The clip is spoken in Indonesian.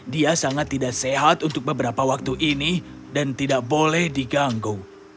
dia sangat tidak sehat untuk beberapa waktu ini dan tidak boleh diganggu